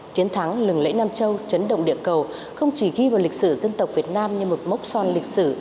chiến thắng lừng lẫy nam châu chấn động địa cầu không chỉ ghi vào lịch sử dân tộc việt nam như một mốc son lịch sử